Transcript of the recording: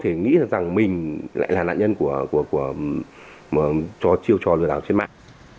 thì nghĩ rằng mình lại là nạn nhân cho chiêu trò lừa đảo trên mạng